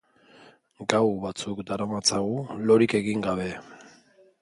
Gau batzuk daramatzagu lorik egin gabe.